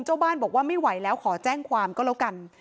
เจ้าบ้านบอกว่าไม่ไหวแล้วขอแจ้งความก็แล้วกัน